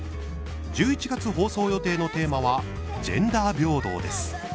１１月放送予定のテーマはジェンダー平等です。